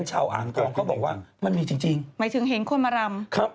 หมายถึงไปรู้ว่ามีคนมารำ